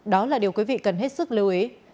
đó là điều quý vị cần hết sức lưu ý